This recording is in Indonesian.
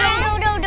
udah udah udah